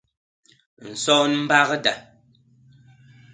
Nson mbagda.